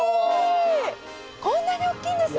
こんなに大きいんですね！